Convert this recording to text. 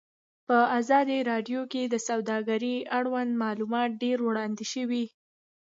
په ازادي راډیو کې د سوداګري اړوند معلومات ډېر وړاندې شوي.